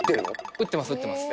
打ってます打ってます。